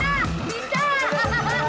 tidak tidak tidak